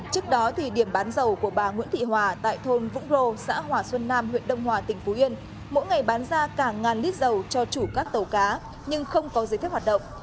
trước đó điểm bán dầu của bà nguyễn thị hòa tại thôn vũng rô xã hòa xuân nam huyện đông hòa tỉnh phú yên mỗi ngày bán ra cả ngàn lít dầu cho chủ các tàu cá nhưng không có giấy phép hoạt động